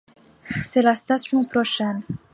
C’est la station prochaine.